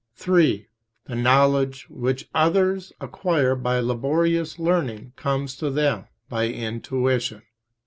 (3) The knowledge which others acquire by laborious learning comes to them by intuition.